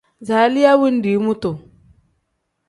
Zaliya wendii mutu.